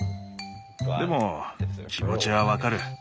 でも気持ちはわかる。